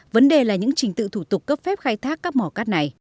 vấn đề là những trình tự thủ tục cấp phép khai thác